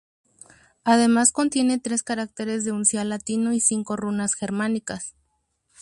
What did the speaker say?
Además contiene tres caracteres de uncial latino y cinco runas germánicas.